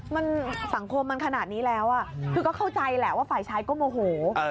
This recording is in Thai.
มันสังคมมันขนาดนี้แล้วคือก็เข้าใจแหละว่าฝ่ายชายก็โมโห